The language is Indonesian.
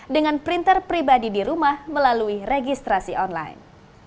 dengan printer pribadi di rumah melalui registrasi online